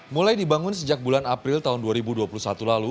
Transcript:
mulai dibangun sejak bulan april tahun dua ribu dua puluh satu lalu